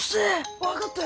分かったよ。